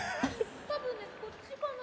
多分こっちかな？